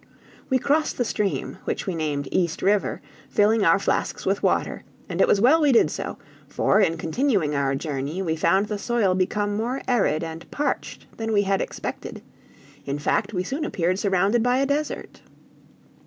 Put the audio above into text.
We crossed the stream, which we named East River, filling our flasks with water, and it was well we did so, for in continuing our journey, we found the soil become more arid and parched than we had expected; in fact we soon appeared surrounded by a desert.